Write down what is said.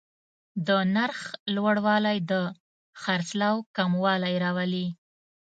د نرخ لوړوالی د خرڅلاو کموالی راولي.